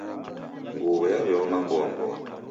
Nguw'o yaw'eoma mboa mboa.